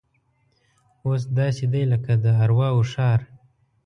اوس داسې دی لکه د ارواو ښار.